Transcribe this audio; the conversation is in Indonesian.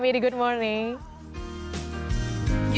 dominik juga sudah ditanyain belum